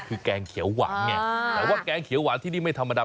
แต่ว่าแกงเขียวหวานที่นี่ไม่ธรรมดา